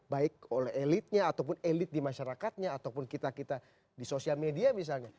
baik oleh elitnya ataupun elit di masyarakatnya ataupun kita kita di sosial media misalnya